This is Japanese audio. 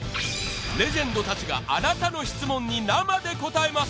レジェンド達があなたの質問に生で答えます